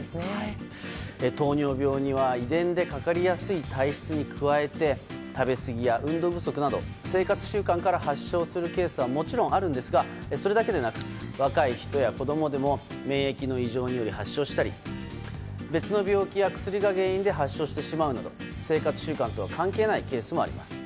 糖尿病には遺伝でかかりやすい体質に加えて食べすぎや運動不足など生活習慣から発症するケースはもちろんあるんですがそれだけでなく若い人や子供でも免疫異常により発症したり別の病気や薬が原因で発症してしまうなど生活習慣とは関係のないケースもあります。